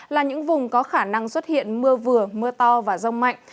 là những vùng có khả năng xuất hiện mưa vừa mưa to và rông mạnh